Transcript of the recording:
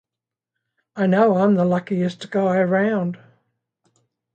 I know I'm the luckiest guy around.